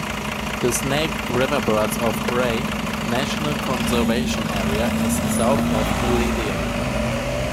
The Snake River Birds of Prey National Conservation Area is south of Meridian.